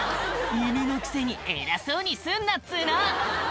犬のくせに偉そうにすんなっつうの！」